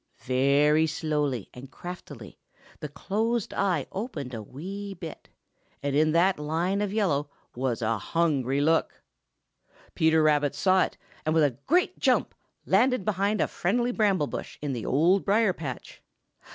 Very slowly and craftily the closed eye opened a wee bit, and in that line of yellow was a hungry look. Peter Rabbit saw it and with a great jump landed behind a friendly bramble bush in the Old Briar patch.